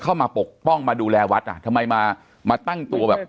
ปกป้องมาดูแลวัดอ่ะทำไมมามาตั้งตัวแบบ